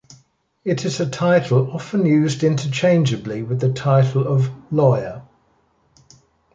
It is a title often used interchangeably with the title of "lawyer".